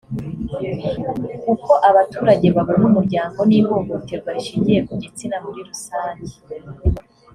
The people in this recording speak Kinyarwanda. uko abaturage babona umuryango n ihohoterwa rishingiye ku gitsina muri rusange